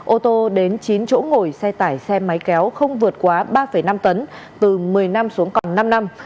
ô tô đến chín chỗ ngồi xe tải xe máy kéo không vượt quá ba năm tấn từ một mươi năm xuống còn năm năm